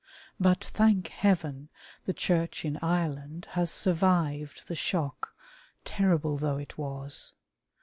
But, thank heaven ! the Church in Ireland, has survived the shock, terrible though it was.